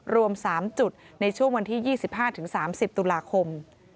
รวม๓จุดในช่วงวันที่๒๕๓๐ตุลาคม